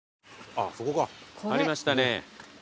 ありましたね。